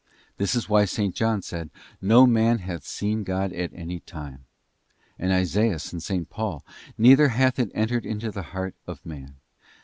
This is why S. John said, 'No man hath seen God at any time;'* and Isaias and S. Paul, ' Neither hath it entered into the heart of man.